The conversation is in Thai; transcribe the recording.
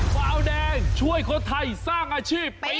เบาแดงช่วยคนไทยสร้างอาชีพปี๒